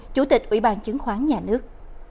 chủ tịch ủy ban chứng khoán nhà nước